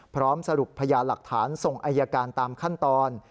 พร้อมสรุปพยานหลักฐานส่งอายการตามขั้นตอน